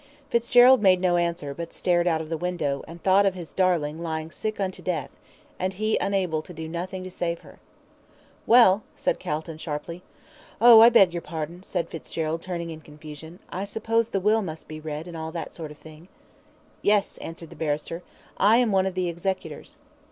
Fitzgerald made no answer, but stared out of the window, and thought of his darling lying sick unto death, and he able to do nothing to save her. "Well," said Calton, sharply. "Oh, I beg your pardon," said Fitzgerald, turning in confusion. "I suppose the will must be read, and all that sort of thing." "Yes," answered the barrister, "I am one of the executors."